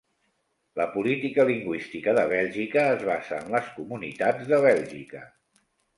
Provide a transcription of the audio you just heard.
La política lingüística de Bèlgica es basa en les comunitats de Bèlgica.